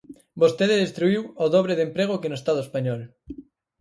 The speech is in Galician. Vostede destruíu o dobre de emprego que no Estado español.